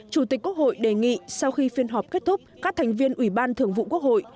chủ tịch quốc hội đề nghị sau khi phiên họp kết thúc các thành viên ủy ban thường vụ quốc hội